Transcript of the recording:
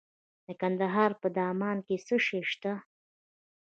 د کندهار په دامان کې څه شی شته؟